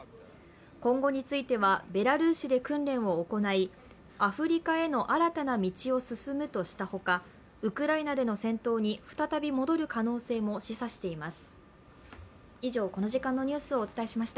今後についてはベラルーシで訓練を行いアフリカへの新たな道を進むとしたほか、ウクライナでの戦闘に再び戻る可能性も示唆しています。